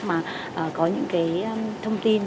mà có những cái thông tin